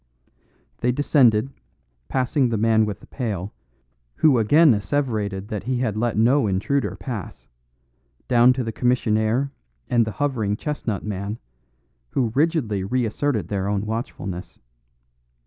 They descended, passing the man with the pail, who again asseverated that he had let no intruder pass, down to the commissionaire and the hovering chestnut man, who rigidly reasserted their own watchfulness.